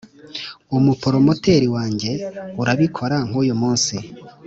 umu promoteri wanjye urabikora nkuyu munsi